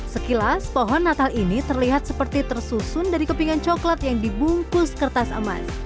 sekilas pohon natal ini terlihat seperti tersusun dari kepingan coklat yang dibungkus kertas emas